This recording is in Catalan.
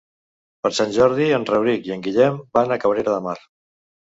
Per Sant Jordi en Rauric i en Guillem van a Cabrera de Mar.